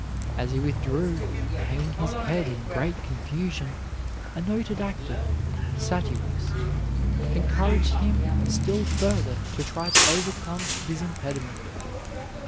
As he withdrew, hanging his head in great confusion, a noted actor, Satyrus, encouraged him still further to try to overcome his impediment.